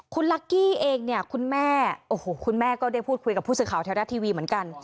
คุณลักกี้เองเนี่ยคุณแม่โอ้โหคุณแม่ก็ได้พูดคุยกับผู้สื่อข่าวไทยรัฐทีวีเหมือนกัน